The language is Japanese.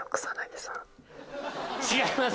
違います